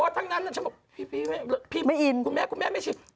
ทั้งนั้นฉันบอกพี่ไม่อินคุณแม่คุณแม่ไม่ชิม